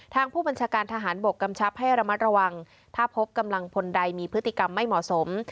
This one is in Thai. ทางผู้บัญชาการทหารบกกำชับให้ระมัดระวังถ้าพบกำลังพลใดมีพฤติกรรมไม่เหมาะสม